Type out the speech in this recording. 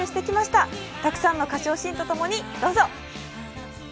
たくさんの歌唱シーンとともにどうぞ！